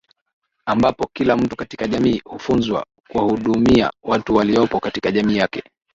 Ambapo kila mtu katika jamii hufunzwa kuwahudumia watu waliopo katika jamii yake